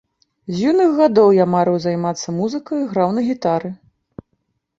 З юных гадоў я марыў займацца музыкай, граў на гітары.